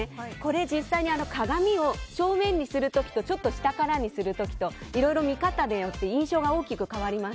実際に鏡を正面にする時とちょっと下からにする時といろいろ見方によって印象が大きく変わります。